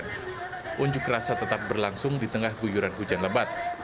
unjuk rasa tetap berlangsung di tengah guyuran hujan lebat